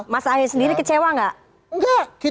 mas ahy sendiri kecewa nggak